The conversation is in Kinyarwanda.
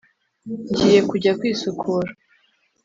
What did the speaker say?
ngiye kujya kwisukura